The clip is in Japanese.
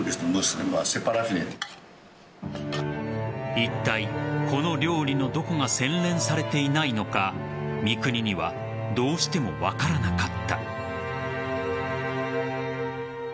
いったい、この料理のどこが洗練されていないのか三國にはどうしても分からなかった。